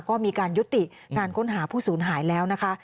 ก็มีการยุติการค้นหาผู้สูญหายแล้วนะคะ